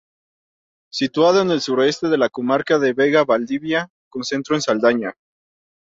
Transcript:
Situada en el suroeste de la comarca de Vega-Valdavia, con centro en Saldaña.